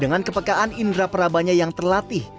dengan kepekaan indra prabanya yang terlatih